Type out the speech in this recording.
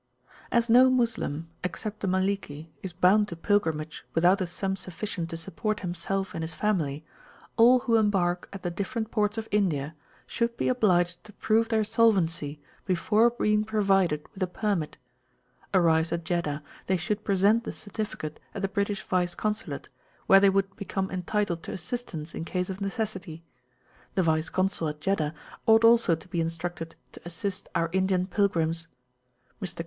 As no Moslem, except the Maliki, is bound to pilgrimage without a sum sufficient to support himself and his family, all who embark at the different ports of India should be obliged to prove their solvency before being provided with a permit. Arrived at Jeddah, they should present the certificate at the British Vice Consulate, where they would become entitled to assistance in case of necessity. The Vice Consul at Jeddah ought also to be instructed [p.186] to assist our Indian pilgrims. Mr.